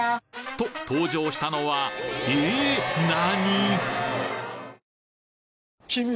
と登場したのはええっ何！？